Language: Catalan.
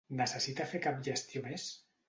Necessita fer cap gestió més?